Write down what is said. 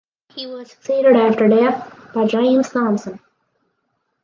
He was succeeded after death by James Thomson.